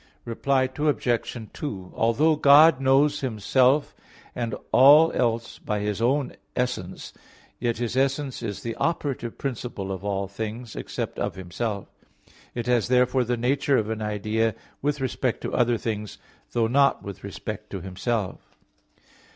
Reply Obj. 2: Although God knows Himself and all else by His own essence, yet His essence is the operative principle of all things, except of Himself. It has therefore the nature of an idea with respect to other things; though not with respect to Himself.